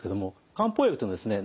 漢方薬っていうのはですね